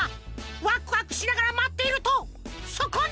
ワクワクしながらまっているとそこに！